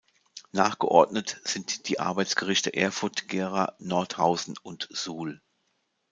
Nachgeordnet sind die Arbeitsgerichte Erfurt, Gera, Nordhausen und Suhl.